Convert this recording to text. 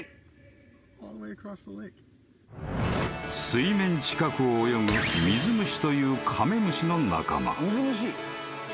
［水面近くを泳ぐミズムシというカメムシの仲間］